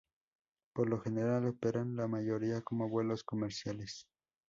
Por lo general operan La mayoría como vuelos comerciales.